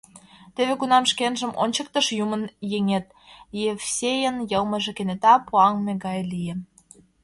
«Теве кунам шкенжым ончыктыш юмын еҥет!» — Евсейын йылмыже кенета пуаҥме гай лие.